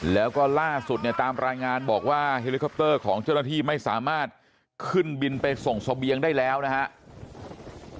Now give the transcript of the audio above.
แล้วก็ล่าสุดเนี่ยตามรายงานบอกว่าเฮลิคอปเตอร์ของเจ้าหน้าที่ไม่สามารถขึ้นบินไปส่งเสบียงได้แล้วนะครับ